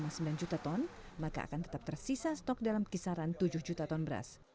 jadi tujuh sembilan juta ton maka akan tetap tersisa stok dalam kisaran tujuh juta ton beras